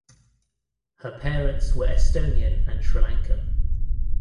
Her parents were Estonian and Sri Lankan.